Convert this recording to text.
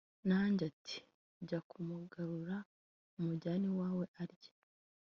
nanjye ati “jya kumugarura umujyane iwawe arye”